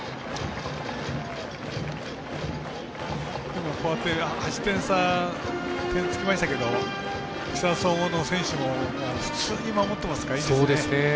でも、こうやって８点差つきましたけど木更津総合の選手も普通に守ってますからいいですね。